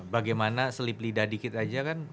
bagaimana selip lidah dikit aja kan